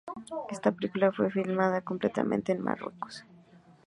Esta película fue filmada completamente en Marruecos.